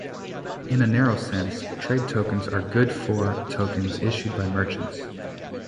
In a narrow sense, trade tokens are "good for" tokens, issued by merchants.